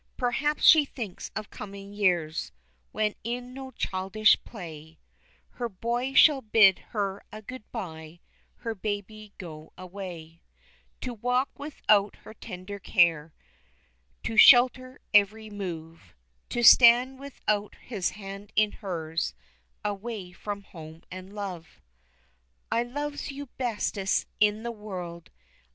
Perhaps she thinks of coming years, When in no childish play Her boy shall bid her a good bye, Her baby go away, To walk without her tender care To shelter every move, To stand without his hand in hers Away from home and love. "I loves you bestest in the world!"